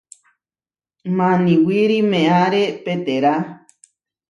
Maniwíri meʼáre peterá.